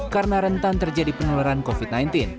karena rentan terjadi penularan covid sembilan belas